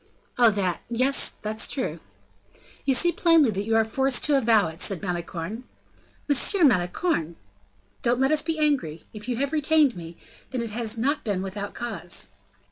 "Oh, that, yes, that's true." "You see plainly that you are forced to avow it," said Malicorne. "Monsieur Malicorne!" "Don't let us be angry; if you have retained me, then it has not been without cause."